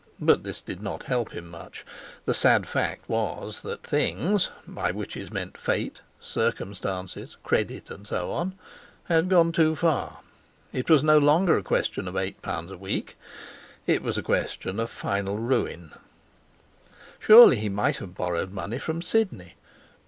But this did not help him much. The sad fact was that 'things' (by which is meant fate, circumstances, credit, and so on) had gone too far. It was no longer a question of eight pounds a week; it was a question of final ruin. Surely he might have borrowed money from Sidney?